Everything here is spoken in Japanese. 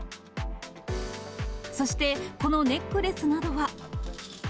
そして、このネックレスなどは。